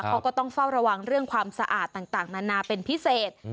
เขาก็ต้องเฝ้าระวังเรื่องความสะอาดต่างนานาเป็นพิเศษ